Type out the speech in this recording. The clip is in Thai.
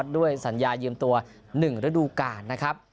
ด้วยสัญญายืมตัว๑ฤดูกาลนะครับ